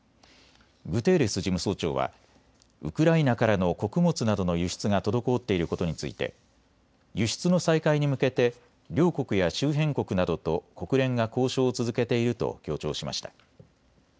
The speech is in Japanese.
グテーレス事務総長はウクライナからの穀物などの輸出が滞っていることについて輸出の再開に向けて両国や周辺国などと国連が交渉を続けていると強調しました。